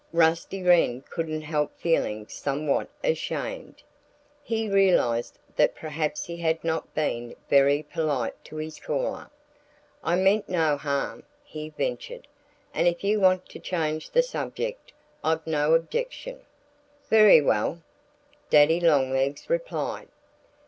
Rusty Wren couldn't help feeling somewhat ashamed. He realized that perhaps he had not been very polite to his caller. "I meant no harm," he ventured "And if you want to change the subject, I've no objection." "Very well!" Daddy Longlegs replied.